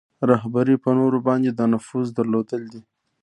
رهبري په نورو باندې د نفوذ درلودل دي.